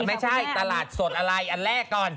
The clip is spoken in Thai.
ไม่ใช่ตลาดสดอะไรอันแรกก่อน